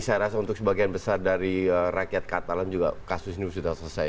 saya rasa untuk sebagian besar dari rakyat katalan juga kasus ini sudah selesai